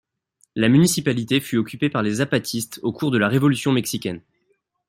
La municipalité fut occupée par les Zapatistes au cours de la Révolution mexicaine.